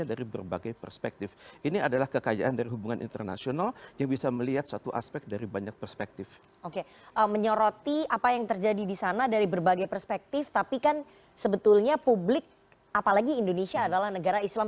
ada tahap tahap pelan pelan